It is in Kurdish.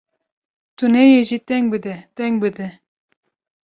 Tu nayê jî deng bide! deng bide!